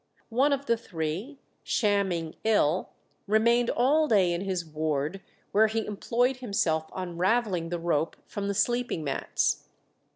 One of the three, shamming ill, remained all day in his ward, where he employed himself unravelling the rope from the sleeping mats.